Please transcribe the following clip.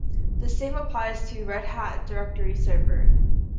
The same applies to Red Hat Directory Server.